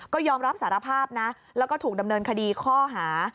ก็ยอมรับสารภาพนะแล้วก็ถูกดำเนินคดีข้อหา